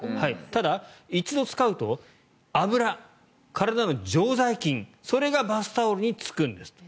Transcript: ただ、一度使うと脂、体の常在菌それがバスタオルにつくんですと。